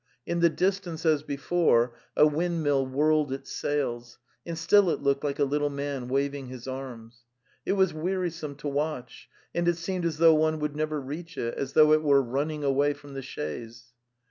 In the distance, as before, a windmill whirled its sails, and still it looked like a little man waving hisarms. It was wearisome to watch, and it seemed as though one would never reach it, as though it were running away from the chaise.